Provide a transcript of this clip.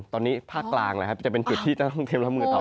ตอนนี้ภาคกลางจะเป็นจุดที่จะต้องเท็มละมืดต่อไป